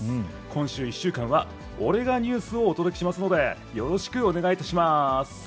今週１週間は、俺がニュースをお届けしますので、よろしくお願いいたします。